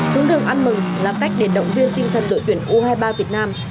trung đường ăn mừng là cách để động viên tinh thần đội tuyển u hai mươi ba việt nam